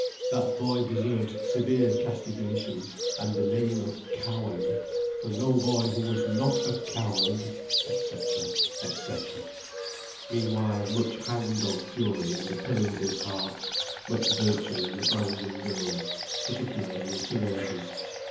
That boy deserved severe castigation, and the name of coward, for no boy who was not a coward—etc., etc." Meanwhile much hang dog fury in the Pillinses' hearts, much virtue in the Brangwen girls', particularly in Theresa's.